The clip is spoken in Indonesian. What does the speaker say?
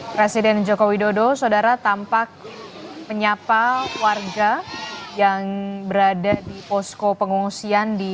presiden joko widodo saudara tampak menyapa warga yang berada di posko pengungsian di